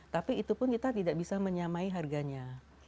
tapi itu pun kita tidak bisa menyamai harganya